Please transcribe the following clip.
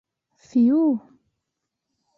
— Фью...